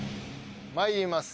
まいります。